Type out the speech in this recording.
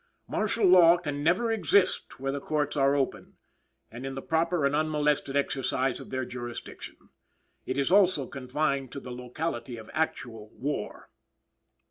"Martial law can never exist where the courts are open, and in the proper and unmolested exercise of their jurisdiction. It is also confined to the locality of actual war."